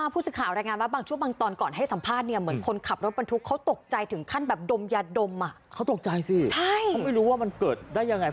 ประมาณจากสี่เมตรได้สินะ